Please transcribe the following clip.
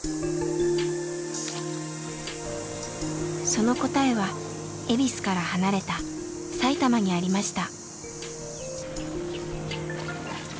その答えは恵比寿から離れたさいたまにありました。